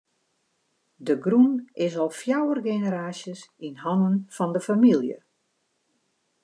De grûn is al fjouwer generaasjes yn hannen fan de famylje.